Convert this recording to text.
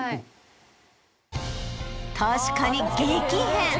確かに激変